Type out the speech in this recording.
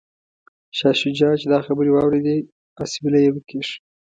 شاه شجاع چې دا خبرې واوریدې اسویلی یې وکیښ.